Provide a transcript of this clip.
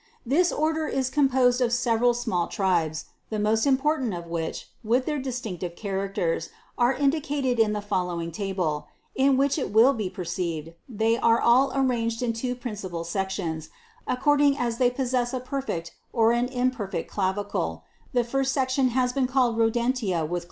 19. This order is composed of several small tribes, the most important of which, with their distinctive characters, are indicated in the following table: in which it will be perceived, they are all arranged in two principal sections, according as they possess a perfect, or an imperfect clavicle : the first section has been called Rodentia with clavicles ; and the second, Rodentia with imperfect clavicles : 16.